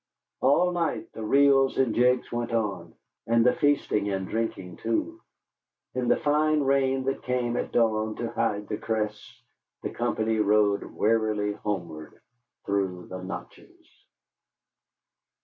All night the reels and jigs went on, and the feasting and drinking too. In the fine rain that came at dawn to hide the crests, the company rode wearily homeward through the notches.